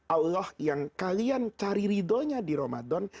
allah yang kalian cari ridhonya di ramadan